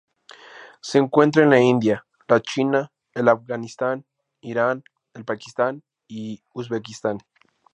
Se encuentra en la India, la China, el Afganistán, Irán, el Pakistán y Uzbekistán.